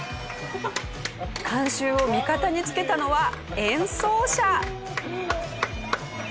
観衆を味方につけたのは演奏者。